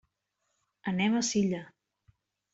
Anem a Silla.